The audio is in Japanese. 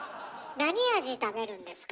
何味食べるんですか？